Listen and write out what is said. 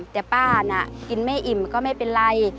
แต่ป้าน่ะกินไม่อิ่มก็ไม่เป็นไร